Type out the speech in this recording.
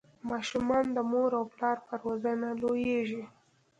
ماشومان د مور او پلار په روزنه لویږي.